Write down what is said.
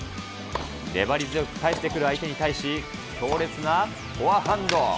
粘り強く返してくる相手に対し、強烈なフォアハンド。